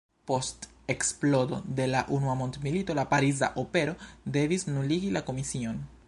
Post eksplodo de la unua mondmilito la Pariza Opero devis nuligi la komision.